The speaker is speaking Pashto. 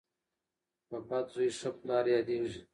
په بد زوی ښه پلار یادیږي.